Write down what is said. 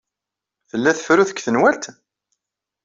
Tella tefrut deg tenwalt?